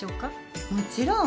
もちろん。